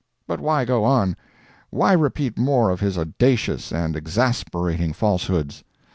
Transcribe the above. But why go on? Why repeat more of his audacious and exasperating falsehoods?